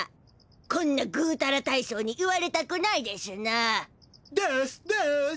こんなぐうたら大将に言われたくないでしゅな。ですです。